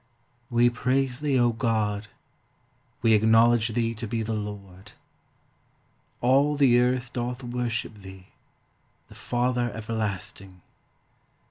We praise thee, O God; we acknowledge thee to be the Lord. All the earth doth worship thee, the Father everlasting.